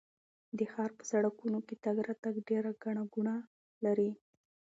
د ښار په سړکونو کې تګ راتګ ډېر ګڼه ګوڼه لري.